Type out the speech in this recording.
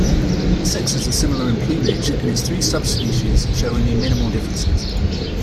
The sexes are similar in plumage, and its three subspecies show only minimal differences.